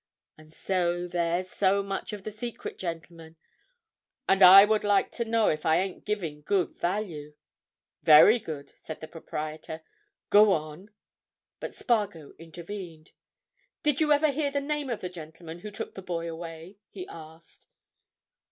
And so there's so much of the secret, gentlemen, and I would like to know if I ain't giving good value." "Very good," said the proprietor. "Go on." But Spargo intervened. "Did you ever hear the name of the gentleman who took the boy away?" he asked.